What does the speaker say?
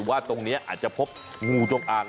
ว่าตรงนี้อาจจะพบงูจงอาง